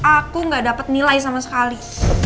aku gak dapat nilai sama sekali